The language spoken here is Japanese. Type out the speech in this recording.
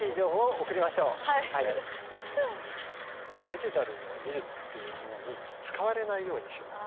デジタルの技術っていうものに使われないようにしよう。